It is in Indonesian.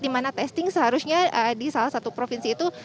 dimana testing seharusnya di salah satu provinsi itu